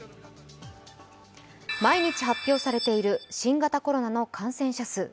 毎日発表されている新型コロナの感染者数。